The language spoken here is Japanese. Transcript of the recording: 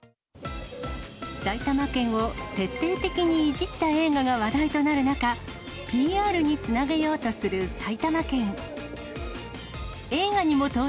埼玉県を徹底的にいじった映画が話題となる中、ＰＲにつなげようとする埼玉県。